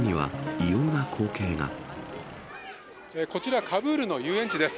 こちら、カブールの遊園地です。